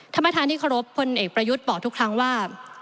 ท่านประธานที่เคารพพลเอกประยุทธ์บอกทุกครั้งว่า